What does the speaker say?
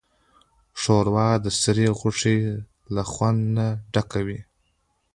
ښوروا د سرې غوښې له خوند نه ډکه وي.